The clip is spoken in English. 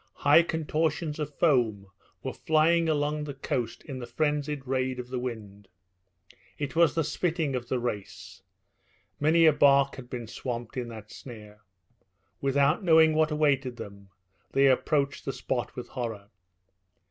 High contortions of foam were flying along the coast in the frenzied raid of the wind. It was the spitting of the race. Many a bark has been swamped in that snare. Without knowing what awaited them, they approached the spot with horror.